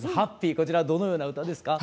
こちらどのような歌ですか？